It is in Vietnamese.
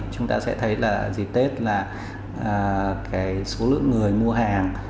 chúng ta sẽ thấy là dịp tết là cái số lượng người mua hàng